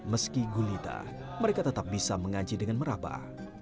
meski gulita mereka tetap bisa mengaji dengan meraba